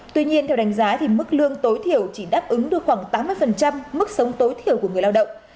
tuy nhiên theo đánh giá mức lương tối thiểu chỉ đáp ứng được khoảng tám mươi mức sống tối thiểu của người lao động